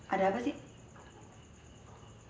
ada apa sih